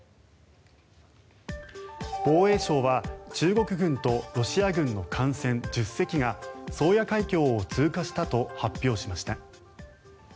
防衛省は中国軍とロシア軍の艦船１０隻が宗谷海峡を通過したと発表しました。